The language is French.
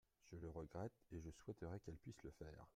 Je le regrette et je souhaiterais qu’elle puisse le faire.